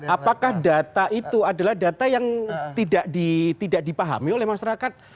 apakah data itu adalah data yang tidak dipahami oleh masyarakat